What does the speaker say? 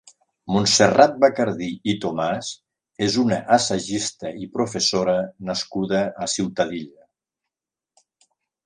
Montserrat Bacardí i Tomàs és una assagista i professora nascuda a Ciutadilla.